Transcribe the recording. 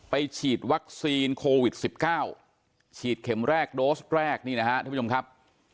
ไปฉีดวัคซีนโควิดสิบเก้าฉีดเข็มแรกโดสแรกนี่นะฮะทุกผู้ชมครับ